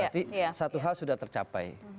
berarti satu hal sudah tercapai